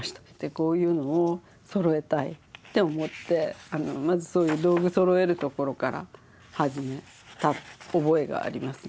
こういうのをそろえたいって思ってまずそういう道具そろえるところから始めた覚えがありますね。